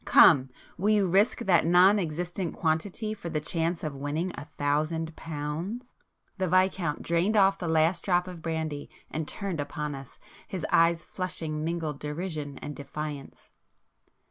Come! Will you risk that non existent quantity for the chance of winning a thousand pounds?" The Viscount drained off the last drop of brandy, and turned upon us, his eyes flushing mingled derision and defiance.